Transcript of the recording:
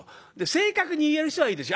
正確に言える人はいいです。